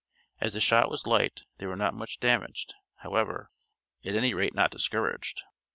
As the shot was light they were not much damaged, however, at any rate not discouraged.